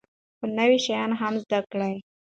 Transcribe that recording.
خو نوي شیان هم زده کړئ.